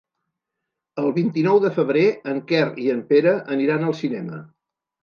El vint-i-nou de febrer en Quer i en Pere aniran al cinema.